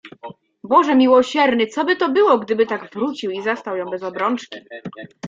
"Boże miłosierny, coby to było, gdyby tak wrócił i zastał ją bez obrączki!"